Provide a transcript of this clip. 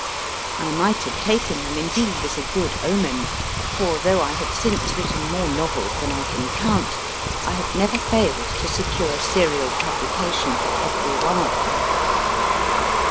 I might have taken them, indeed, as a good omen ; for though I have since written more novels than I can count, I have never failed to secure serial publication for every one of them.